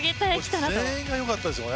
全員がよかったです。